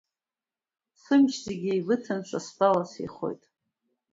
Сымч зегь еибыҭан стәала сеихоит.